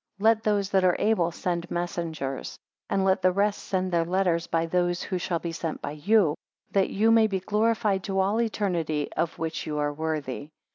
7 Let those that are able send messengers; and let the rest send their letters by those who shall be sent by you: that you may be glorified to all eternity, of which you are worthy.